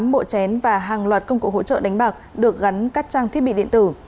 tám bộ chén và hàng loạt công cụ hỗ trợ đánh bạc được gắn các trang thiết bị điện tử